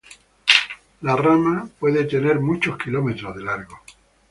La rama puede tener muchos kilómetros de largo.